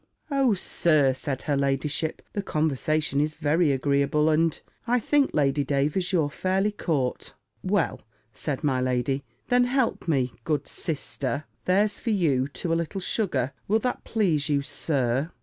"O Sir," said her ladyship, "the conversation is very agreeable; and I think, Lady Davers, you're fairly caught." "Well," said my lady, "then help me, good sister there's for you! to a little sugar. Will that please you, Sir?"